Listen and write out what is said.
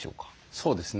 そうですね。